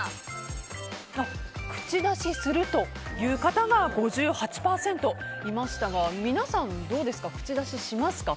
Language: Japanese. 口出しするという方が５８％いましたが皆さんどうですか口出ししますか？